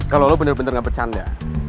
kalau lo bener bener gak bercanda